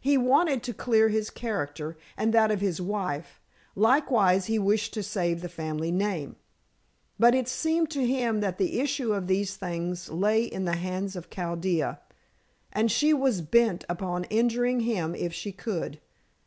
He wanted to clear his character and that of his wife; likewise he wished to save the family name. But it seemed to him that the issue of these things lay in the hands of Chaldea, and she was bent upon injuring him if she could.